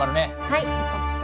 はい。